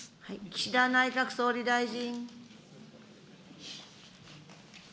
岸田内閣総理大臣。